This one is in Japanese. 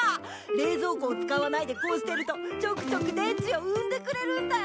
冷蔵庫を使わないでこうしているとちょくちょく電池を産んでくれるんだよ！